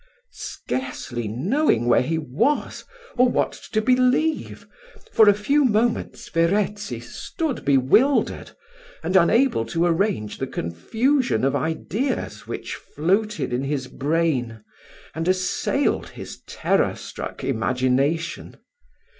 Scarcely knowing where he was, or what to believe, for a few moments Verezzi stood bewildered, and unable to arrange the confusion of ideas which floated in his brain, and assailed his terror struck imagination.